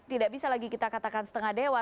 tidak bisa lagi kita katakan setengah dewa